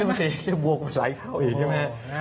ขึ้นภาษีอีกจะบวกหลายเท่าอีกใช่ไหม